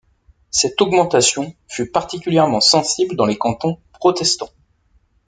Cette augmentation fut particulièrement sensible dans les cantons protestants.